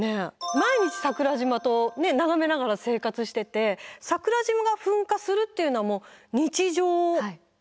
毎日桜島と眺めながら生活してて桜島が噴火するっていうのはもう日常当たり前のことなので。